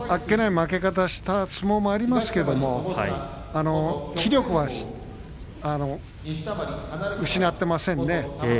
負け方をした相撲もありますが気力は失っていませんね。